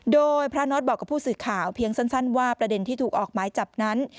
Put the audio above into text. โดยพระน็อตบอกกับผู้สื่อข่าวเพียงสั้นว่าประเด็นที่ถูกออกหมายจับนั้น